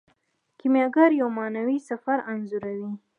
کیمیاګر یو معنوي سفر انځوروي.